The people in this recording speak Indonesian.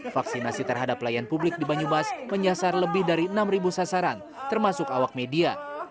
vaksinasi terhadap pelayan publik di banyumas menyasar lebih dari enam sasaran termasuk awak media